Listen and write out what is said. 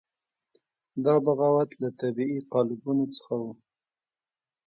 دا بغاوت له طبیعي قالبونو څخه وو.